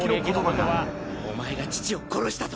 「お前が父を殺したと！」